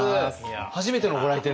初めてのご来店で？